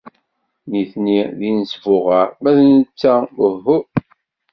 Nitni d inesbuɣar, ma d netta uhu.